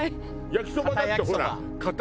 焼きそばだってほらかた